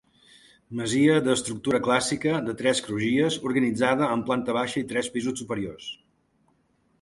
Masia d'estructura clàssica de tres crugies organitzada en planta baixa i tres pisos superiors.